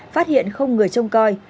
phát hiện không người trông coi